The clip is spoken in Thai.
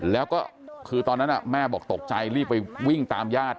แล้วก็คือตอนนั้นแม่บอกตกใจรีบไปวิ่งตามญาติ